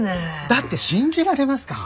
だって信じられますか？